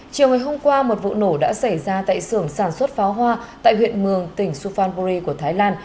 chiều ngày hôm qua một vụ nổ đã xảy ra tại sưởng sản xuất pháo hoa tại huyện mường tỉnh sufanburi của thái lan